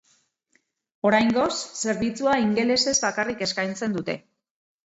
Oraingoz, zerbitzua ingelesez bakarrik eskaintzen dute.